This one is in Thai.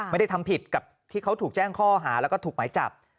ไม่ได้ทำผิดกับที่เขาถูกแจ้งข้อหาแล้วก็ถูกหมายจับ